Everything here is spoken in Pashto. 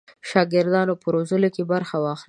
د شاګردانو په روزلو کې برخه واخلي.